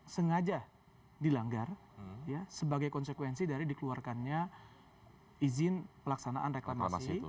sengaja dilanggar sebagai konsekuensi dari dikeluarkannya izin pelaksanaan reklamasi